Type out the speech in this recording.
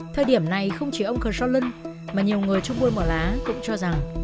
thời điểm này không chỉ ông khờ so lân mà nhiều người trong buôn bò lá cũng cho rằng